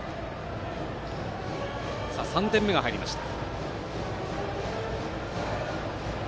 ３点目が入りました。